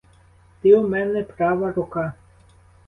Ти у мене права рука!